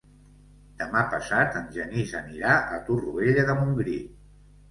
Demà passat en Genís anirà a Torroella de Montgrí.